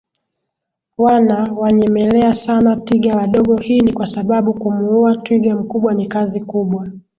wana wanyemelea sana tiga wadogo Hii ni kwasababu kumuuwa twiga mkubwa ni kazi kubwa